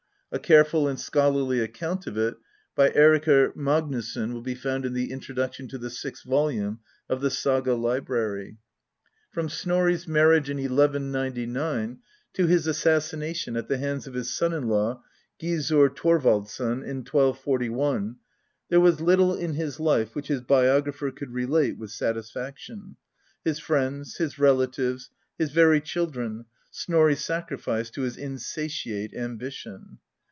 A careful and scholarly account of it by Eirikr Magnusson^ will be found in the introduction to the sixth volume of The Saga Library. From Snorri's marriage in 1 1 99 to his assassination at the hands of his son in law, Gizurr Thorvaldsson, in 1241, there was little in his life which his biographer could relate with satisfaction. His friends, his relatives, his very children, Snorri sacrificed to his in satiate ambition.